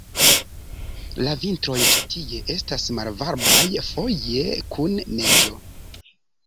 La vintroj ĉi tie estas malvarmaj, foje kun neĝo.